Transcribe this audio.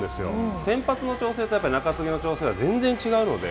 先発の調整と中継ぎの調整は全然違うので。